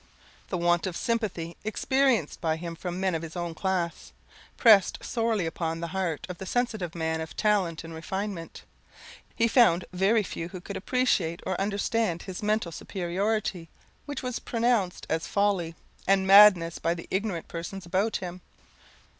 The want of sympathy experienced by him from men of his own class, pressed sorely upon the heart of the sensitive man of talent and refinement; he found very few who could appreciate or understand his mental superiority, which was pronounced as folly and madness by the ignorant persons about him.